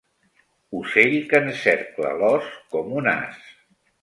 Ocell que encercla l'ós com un as.